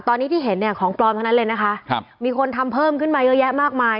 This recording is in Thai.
ตอนนี้ที่เห็นเนี่ยของปลอมทั้งนั้นเลยนะคะครับมีคนทำเพิ่มขึ้นมาเยอะแยะมากมาย